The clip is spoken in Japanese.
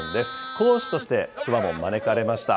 講師としてくまモン、招かれました。